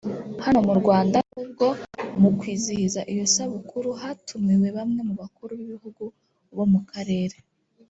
Hano mu Rwanda n’ubwo mu kwizihiza iyo sabukuru hatumiwe bamwe mu bakuru b’ibihugu bo mu Karere